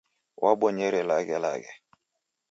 Wabonyere laghelaghe.